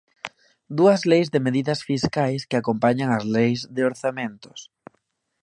Dúas leis de medidas fiscais que acompañan as leis de orzamentos.